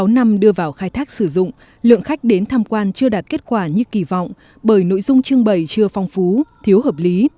sáu năm đưa vào khai thác sử dụng lượng khách đến tham quan chưa đạt kết quả như kỳ vọng bởi nội dung trưng bày chưa phong phú thiếu hợp lý